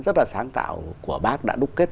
rất là sáng tạo của bác đã đúc kết